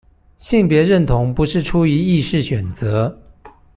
性別認同不是出於意識選擇